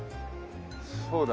そうだ。